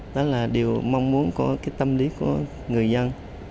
đó là điều mong muốn có tâm lý của người dân